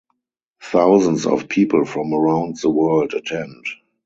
Thousands of people from around the world attend.